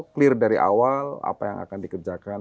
clear dari awal apa yang akan dikerjakan